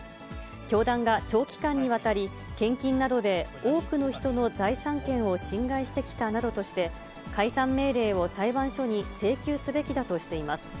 教団が長期間にわたり、献金などで多くの人の財産権を侵害してきたなどとして、解散命令を裁判所に請求すべきだとしています。